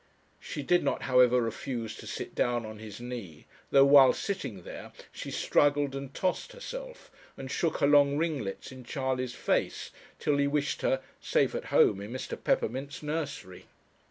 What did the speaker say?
She did not, however, refuse to sit down on his knee, though while sitting there she struggled and tossed herself, and shook her long ringlets in Charley's face, till he wished her safe at home in Mr. Peppermint's nursery.